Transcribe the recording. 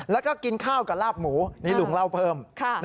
แล้วก็กินข้าวกับลาบหมูนี่ลุงเล่าเพิ่ม